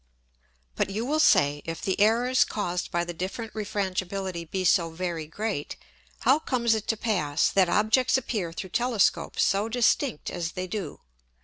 ] But you will say, if the Errors caused by the different Refrangibility be so very great, how comes it to pass, that Objects appear through Telescopes so distinct as they do?